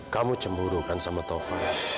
kamu cemburu kan sama taufan